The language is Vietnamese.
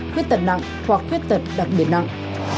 khuyết tật nặng hoặc khuyết tật đặc biệt nặng